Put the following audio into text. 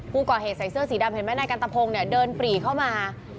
ผู้ก่อเหตุใส่เสื้อสีดำเห็นไหมนายกันตะพงศ์เนี่ยเดินปรีเข้ามา